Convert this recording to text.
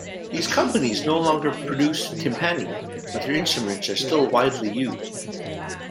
These companies no longer produce timpani, but their instruments are still widely used.